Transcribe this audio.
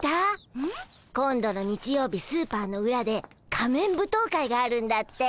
うん？今度の日曜日スーパーのうらで仮面舞踏会があるんだって。